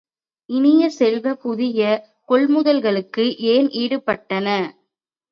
இனிய செல்வ, புதிய கொள்முதல்களும் ஏன் ஈட்டப்பட்டன?